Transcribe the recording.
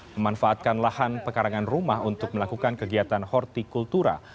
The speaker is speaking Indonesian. memanfaatkan lahan pekarangan rumah untuk melakukan kegiatan hortikultura